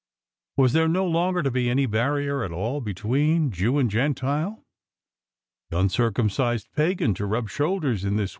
Was there no longer to be any barrier at aU between Jew and Gentile ? Was the uncircumcised pagan to rub shoulders in this